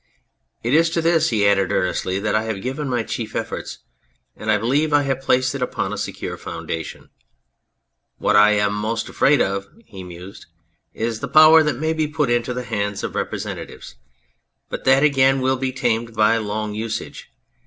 It is to this," he added earnestly, "that I have given my chief efforts, and I believe I have placed it upon a secure foundation. What I am most afraid of," he mused, " is the power that may be put into the hands of representatives. But that again will be tamed by long usage.